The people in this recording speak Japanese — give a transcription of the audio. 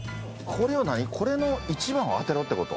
これの１番を当てろってこと？